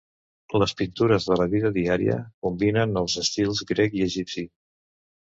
Les pintures de la vida diària combinen els estils grec i egipci.